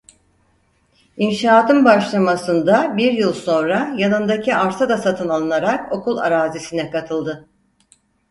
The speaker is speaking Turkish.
İnşaatın başlamasında bir yıl sonra yanındaki arsa da satın alınarak okul arazisine katıldı.